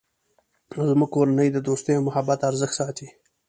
زموږ کورنۍ د دوستۍ او محبت ارزښت ساتی